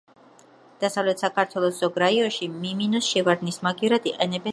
დასავლეთ საქართველოს ზოგ რაიონში მიმინოს შევარდნის მაგივრად იყენებენ სანადიროდ.